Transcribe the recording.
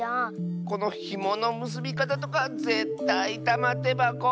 このひものむすびかたとかぜったいたまてばこ。